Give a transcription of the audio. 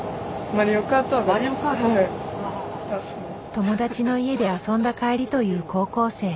友だちの家で遊んだ帰りという高校生。